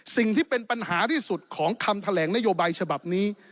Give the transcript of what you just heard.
สิ่งที่เป็นปัญหาที่สุดของคำแถลงนโยบายฉบับนี้